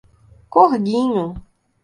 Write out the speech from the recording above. Corguinho